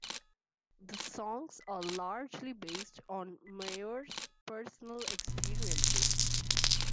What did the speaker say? The songs are largely based on Mayer's personal experiences.